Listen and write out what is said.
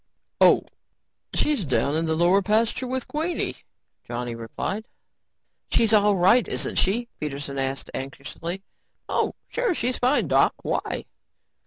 "Oh, she's down in the lower pasture with Queenie," Johnny replied. "She's all right, isn't she?" Peterson asked anxiously. "Oh, sure, she's fine, Doc. Why?"